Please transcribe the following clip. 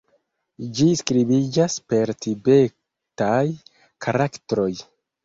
Ĝi skribiĝas per tibetaj karaktroj.